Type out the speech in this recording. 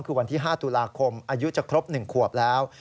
คือวันที่๕ตุลาคมอายุจะครบ๑ขวบแล้ว